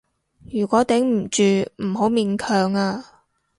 如果頂唔住，唔好勉強啊